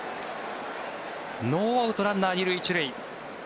ノーアウト、ランナー２塁１塁。